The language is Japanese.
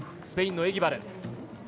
スペインのエギバル。